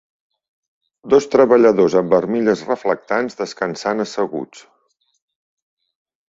Dos treballadors amb armilles reflectants descansant asseguts.